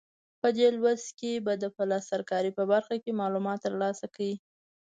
په دې لوست کې به د پلستر کارۍ په برخه کې معلومات ترلاسه کړئ.